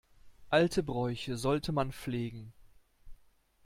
Alte Bräuche sollte man pflegen.